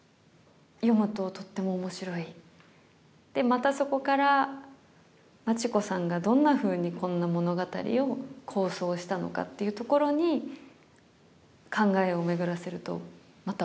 またそこから町子さんがどんなふうにこんな物語を構想したのかっていうところに考えを巡らせるとまた面白い。